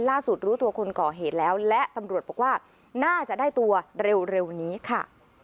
รู้ตัวคนก่อเหตุแล้วและตำรวจบอกว่าน่าจะได้ตัวเร็วนี้ค่ะ